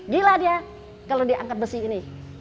gila dia kalau dia angkat besi ini